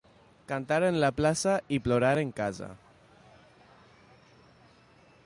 Cantar en la plaça i plorar en casa.